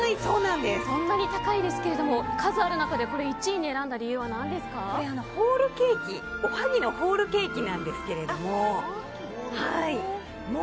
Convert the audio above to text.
そんなに高いんですが数ある中で１位に選んだ理由は何ですか？これ、おはぎのホールケーキなんですけれども。